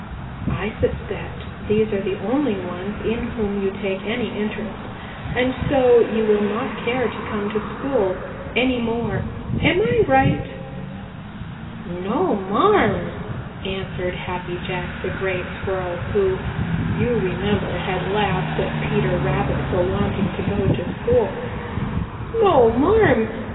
I suspect these are the only ones in whom you take any interest, and so you will not care to come to school any more. Am I right?" "No, marm," answered Happy Jack the Gray Squirrel, who, you remember, had laughed at Peter Rabbit for wanting to go to school. "No, marm.